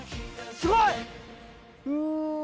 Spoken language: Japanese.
すごい。